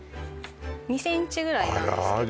２ｃｍぐらいなんですけどあら